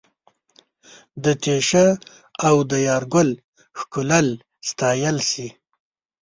د تېشه او د یارګل ښکلل ستایل سي